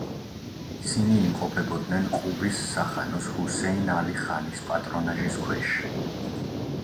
ისინი იმყოფებოდნენ ყუბის სახანოს ჰუსეინ ალი ხანის პატრონაჟის ქვეშ.